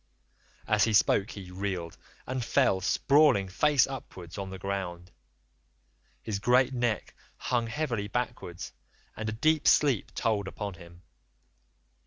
"As he spoke he reeled, and fell sprawling face upwards on the ground. His great neck hung heavily backwards and a deep sleep took hold upon him.